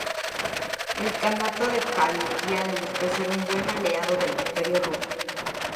El kanato de Kalmukia demostró ser un buen aliado del Imperio ruso.